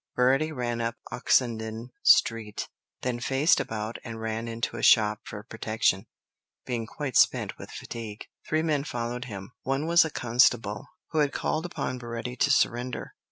Baretti ran up Oxenden Street, then faced about and ran into a shop for protection, being quite spent with fatigue. Three men followed him; one was a constable, who had called upon Baretti to surrender.